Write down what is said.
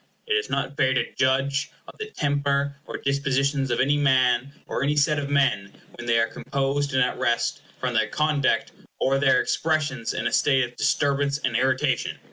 It is not fair to judge of the temper or dispositions of any man, or any set of men, when they are composed and at rest, from their conduct or their expressions in a state of disturbance and irritation.